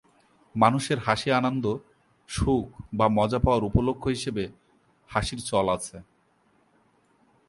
মানুষের হাসি আনন্দ, সুখ, বা মজা পাওয়ার উপলক্ষ হিসেবে হাসির চল আছে।